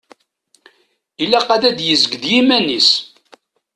Ilaq ad d-yezg d yiman-is.